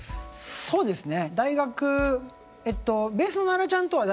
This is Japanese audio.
そうですね。